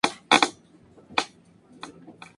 Es un lanzamiento solo promocional.